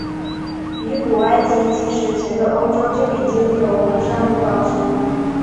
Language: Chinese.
于古埃及及史前的欧洲就已经有红珊瑚宝石。